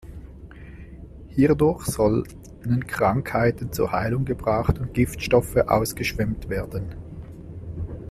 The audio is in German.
Hierdurch sollen Krankheiten zur Heilung gebracht und Giftstoffe ausgeschwemmt werden.